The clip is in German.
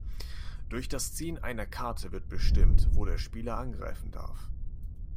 Durch das Ziehen einer Karte wird bestimmt, wo der Spieler angreifen darf.